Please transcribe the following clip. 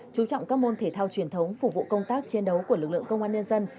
chú trọng các môn thể thao truyền thống phục vụ công tác chiến đấu của lực lượng công an nhân dân